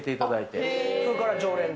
それから常連で？